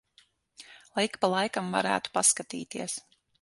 Lai ik pa laikam varētu paskatīties.